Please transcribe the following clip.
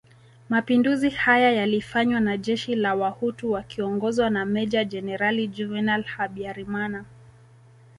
Mapinduzi haya yalifanywa na jeshi la Wahutu wakiongozwa na Meja Jenerali Juvenal Habyarimana